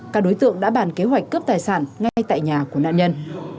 các đối tượng đã bàn kế hoạch cướp tài sản ngay tại nhà của nạn nhân